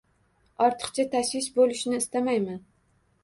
Ortiqcha tashvish boʻlishni istamayman